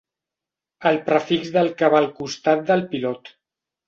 El prefix del que va al costat del pilot.